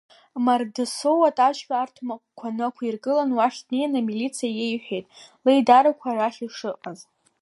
Мардасоу атачка арҭмаҟқәа нақәиргылан, уахь днеин, амилициа иеиҳәеит леидарақәа арахь ишыҟаз.